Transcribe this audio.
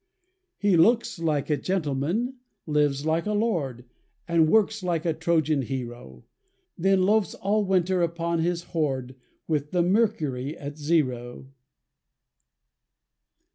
He looks like a gentleman, lives like a lord, And works like a Trojan hero; Then loafs all winter upon his hoard, With the mercury at zero.